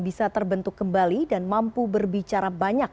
bisa terbentuk kembali dan mampu berbicara banyak